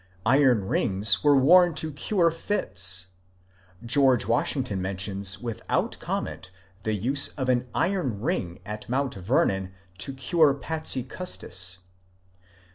Iron rings were worn to cure fits. (George Washington mentions without comment the use of an iron ring at Mount Vernon to cure Patsy Custis.)